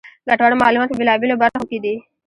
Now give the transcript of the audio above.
ګټورمعلومات په بېلا بېلو برخو کې دي.